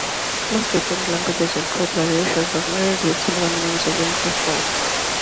Most European languages include variations of "myriad" with similar meanings to the English word.